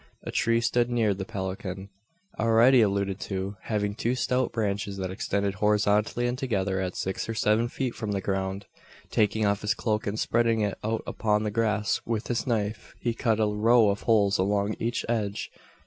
A tree stood near the pecan already alluded to having two stout branches that extended horizontally and together, at six or seven feet from the ground. Taking off his cloak, and spreading it out upon the grass, with his knife he cut a row of holes along each edge.